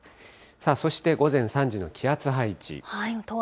さあ、そして午前３時の気圧配置。